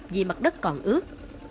vì mặt đất còn ướt